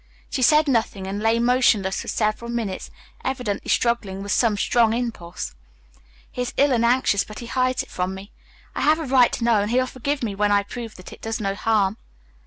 She said nothing, and lay motionless for several minutes evidently struggling with some strong impulse. "He is ill and anxious, but hides it from me; I have a right to know, and he'll forgive me when I prove that it does no harm."